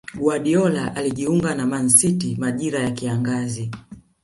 Guardiola alijiunga na Man City majira ya kiangazi